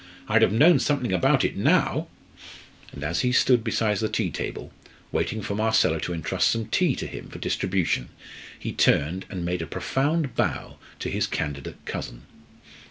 I'd have known something about it now." And as he stood beside the tea table, waiting for Marcella to entrust some tea to him for distribution, he turned and made a profound bow to his candidate cousin.